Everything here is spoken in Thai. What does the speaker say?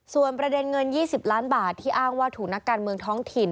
ส่วนประเด็นเงิน๒๐ล้านบาทที่อ้างว่าถูกนักการเมืองท้องถิ่น